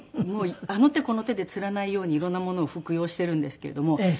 あの手この手でつらないように色んなものを服用しているんですけれども。